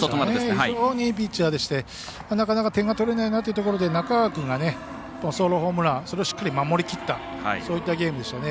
非常にいいピッチャーでしてなかなか点が取れないなというところで中川君がソロホームランそれをしっかり守りきったそういったゲームでしたね。